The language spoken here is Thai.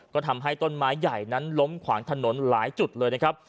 ก็ทำให้ต้นไม้ใหญ่นั้นล้มขวางถนนหลายจุดเลยนะครับ